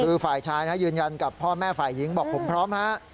คือฝ่ายชายยืนยันกับพ่อแม่ฝ่ายหญิงบอกผมพร้อมฮะ